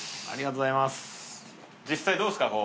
ありがとうございます。